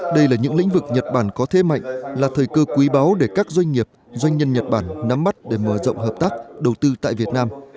đây là những lĩnh vực nhật bản có thế mạnh là thời cơ quý báu để các doanh nghiệp doanh nhân nhật bản nắm bắt để mở rộng hợp tác đầu tư tại việt nam